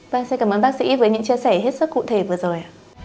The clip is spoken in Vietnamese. vâng xin cảm ơn bác sĩ với những chia sẻ hết sức cụ thể vừa rồi